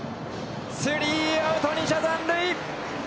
スリーアウト２者残塁。